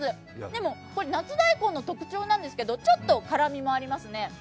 でも夏大根の特徴なんですけど、ちょっと辛みもありますね。